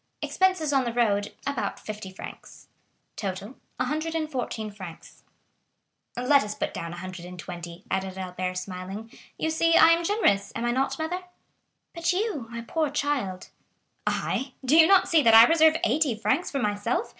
....... 7. Expenses on the road, about fifty francs........ ....... 50. Total......... ........................................ 114 frs. "Let us put down 120," added Albert, smiling. "You see I am generous, am I not, mother?" "But you, my poor child?" "I? do you not see that I reserve eighty francs for myself?